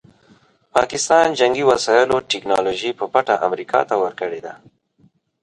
پاکستان جنګي وسایلو ټیکنالوژي په پټه امریکا ته ورکړې ده.